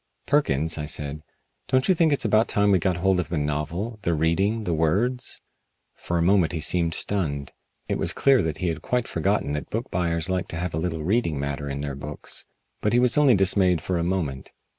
"Perkins," I said, "don't you think it is about time we got hold of the novel the reading, the words?" For a moment he seemed stunned. It was clear that he had quite forgotten that book buyers like to have a little reading matter in their books. But he was only dismayed for a moment.